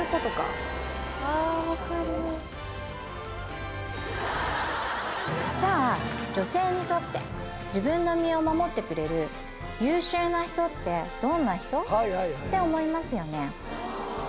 分かるじゃあ女性にとって自分の身を守ってくれる優秀な人ってどんな人？って思いますよね